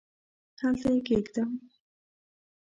هلته یې کښېږدم ؟؟